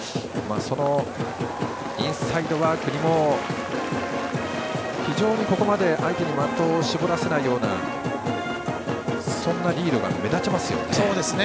そのインサイドワークにも非常にここまで相手に的を絞らせないようなそんなリードが目立ちますね。